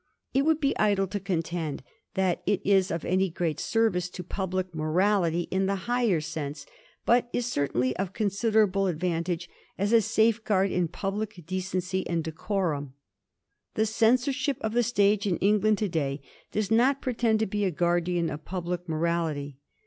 It would be idle to contend that it is of any great service to public morality in the higher sense, but is certainly of considerable advantage as a safeguard to public decency and decorum. The censorship of the stage in England to day does not pretend to be a guardian of public morality.